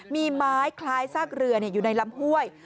มีไม้คล้ายซากเรืออยู่ในลำห้วย